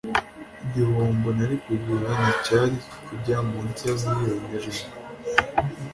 igihombo nari kugira nticyari kujya munsi ya Miliyoni ijana